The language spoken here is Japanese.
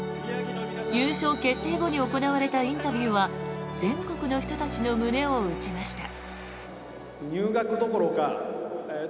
優勝決定後に行われたインタビューは全国の人たちの胸を打ちました。